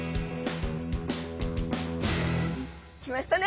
来ましたね！